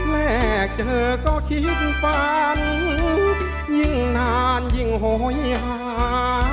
แรกเจอก็คิดฝันยิ่งนานยิ่งโหยหา